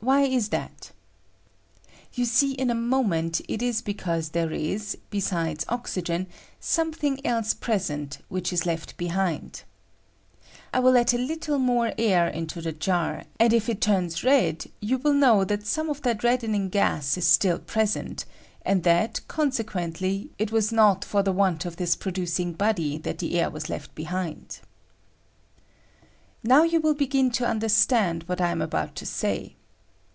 Why is that ? You see in a moment it is because there is, besides oxygen, something else present which is left behind. I win let a little more air into the jar, and if it turns red you will know that some of that red NITROGEN IN THE AIR. 125 ^^B denisg gas is still present, and that, conseqiient ^^V Ij, it was not for the want of this producing ^^H body that that air was left behind. ^^H Now you will begin to understand what I ^^ am about to say.